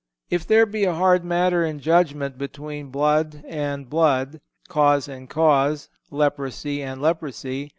"If there be a hard matter in judgment between blood and blood, cause and cause, leprosy and leprosy